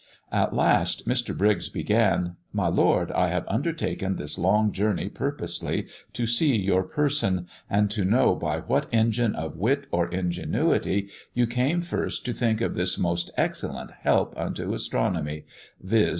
At last, Mr. Briggs began, 'My Lord, I have undertaken this long journey purposely to see your person, and to know by what engine of wit or ingenuity you came first to think of this most excellent help unto astronomy, viz.